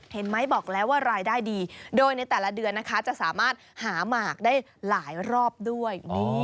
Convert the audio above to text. เห็นไหมบอกแล้วว่ารายได้ดีโดยในแต่ละเดือนนะคะจะสามารถหาหมากได้หลายรอบด้วย